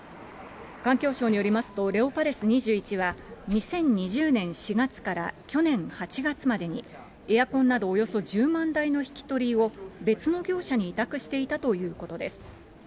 環境省によりますと、レオパレス２１は、２０２０年４月から去年８月までにエアコンなどおよそ１０万台の引き取りを別の業者に委託していたということです。